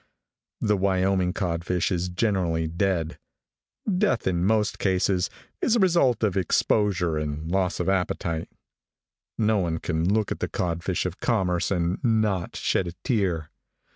The Wyoming codfish is generally dead. Death, in most cases, is the result of exposure and loss of appetite. No one can look at the codfish of commerce, and not shed a tear.